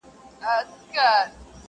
كوم حميد به خط و خال كاغذ ته يوسي!!